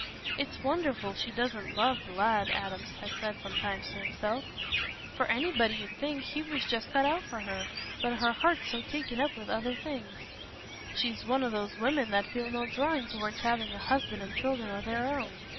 "It's wonderful she doesn't love th' lad," Adam had said sometimes to himself, "for anybody 'ud think he was just cut out for her. But her heart's so taken up with other things. She's one o' those women that feel no drawing towards having a husband and children o' their own.